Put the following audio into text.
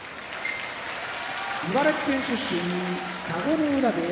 茨城県出身田子ノ浦部屋